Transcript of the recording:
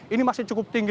ini masih cukup tinggi